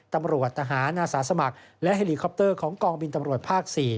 ตำรวจทหารอาสาสมัครและเฮลีคอปเตอร์ของกองบินตำรวจภาค๔